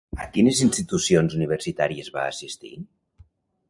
A quines institucions universitàries va assistir?